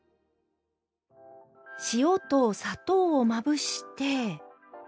塩と砂糖をまぶして。